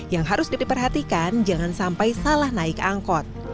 yang harus diperhatikan jangan sampai salah naik angkot